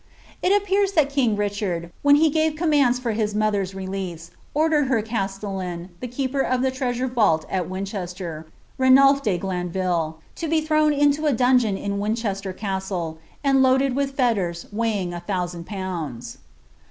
h appears that king Richard, when he gave commands for his mother's deaae, ordered her castellan, the keeper of the treasure vault at Win hester, Ranulph de Glanville, to be thrown into a dungeon in Winches !r Ckitle, and loaded with fetters weighing a thousand pounds.'